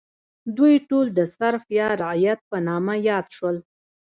دوی ټول د سرف یا رعیت په نامه یاد شول.